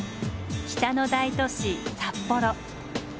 北の大都市札幌。